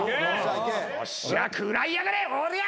よっしゃ食らいやがれおりゃ。